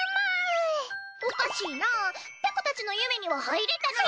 おかしいなぁぺこたちの夢には入れたのに。